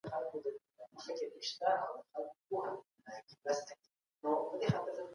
له خپلې دندې سره ریښتینې مینه ولرئ.